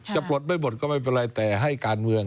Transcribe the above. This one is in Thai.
ปลดไม่หมดก็ไม่เป็นไรแต่ให้การเมือง